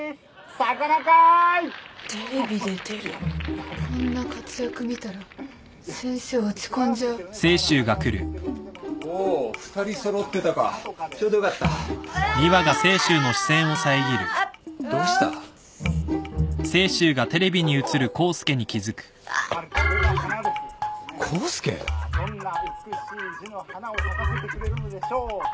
さあどんな美しい字の花を咲かせてくれるのでしょうか？